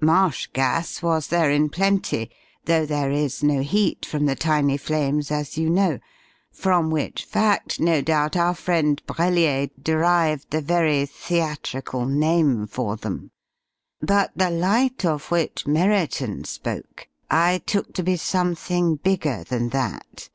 Marsh gas was there in plenty, though there is no heat from the tiny flames, as you know, from which fact, no doubt, our friend Brellier derived the very theatrical name for them, but the light of which Merriton spoke I took to be something bigger than that.